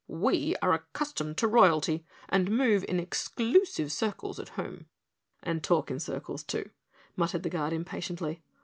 "We are accustomed to Royalty and move in exclusive circles at home." "And talk in circles, too," muttered the Guard impatiently.